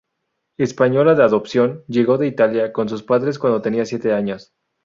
Española de adopción, llegó de Italia con sus padres cuando tenía siete años.